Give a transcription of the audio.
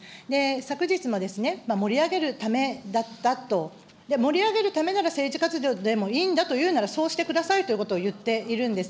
昨日も盛り上げるためだったと、で、盛り上げるためだったら政治活動でもいいんだというなら、そうしてくださいということを言っているんです。